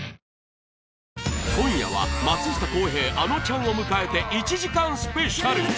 今夜は松下洸平あのちゃんを迎えて１時間スペシャル